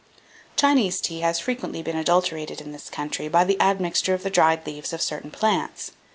1797. Chinese tea has frequently been adulterated in this country, by the admixture of the dried leaves of certain plants.